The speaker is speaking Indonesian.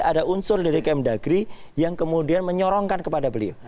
ada unsur dari kemdagri yang kemudian menyorongkan kepada beliau